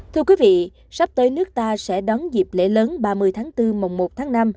thưa quý vị sắp tới nước ta sẽ đón dịp lễ lớn ba mươi tháng bốn mùa một tháng năm